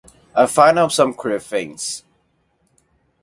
I've found out some queer things.